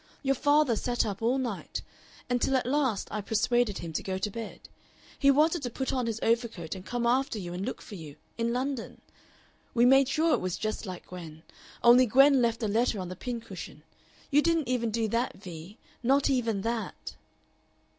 Your father sat up all night. Until at last I persuaded him to go to bed. He wanted to put on his overcoat and come after you and look for you in London. We made sure it was just like Gwen. Only Gwen left a letter on the pincushion. You didn't even do that Vee; not even that."